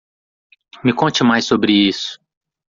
Me conte mais sobre isso.